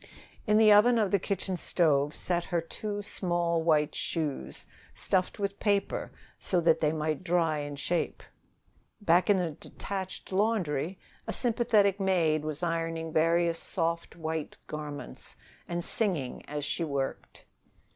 In the oven of the kitchen stove sat her two small white shoes, stuffed with paper so that they might dry in shape. Back in a detached laundry, a sympathetic maid was ironing various soft white garments, and singing as she worked.